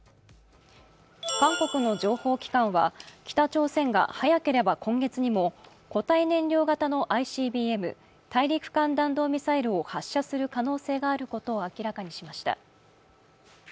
韓国の情報機関は北朝鮮が早ければ今月にも固体燃料型のＩＣＢＭ＝大陸間弾道ミサイルを発射する可能性があることを明らかにしました。